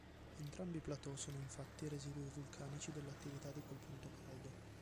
Entrambi i plateau sono infatti residui vulcanici dell'attività di quel punto caldo.